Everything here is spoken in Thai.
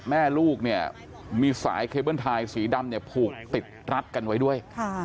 แม่ลูกเนี่ยมีสายเคเบิ้ลไทยสีดำเนี่ยผูกติดรัดกันไว้ด้วย